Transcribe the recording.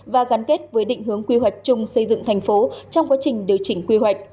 và gắn kết với định hướng quy hoạch chung xây dựng thành phố trong quá trình điều chỉnh quy hoạch